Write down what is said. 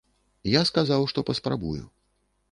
Я сказаў, што паспрабую.